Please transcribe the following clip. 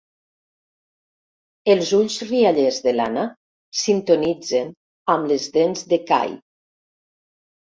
Els ulls riallers de l'Anna sintonitzen amb les dents d'Ekahi.